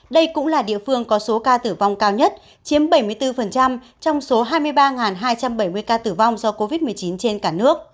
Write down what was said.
đây cũng là địa phương có số ca tử vong cao nhất chiếm bảy mươi bốn trong số hai mươi ba hai trăm bảy mươi ca tử vong do covid một mươi chín trên cả nước